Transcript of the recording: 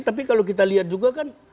tapi kalau kita lihat juga kan